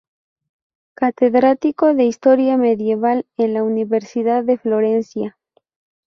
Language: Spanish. Catedrático de Historia Medieval en la Universidad de Florencia.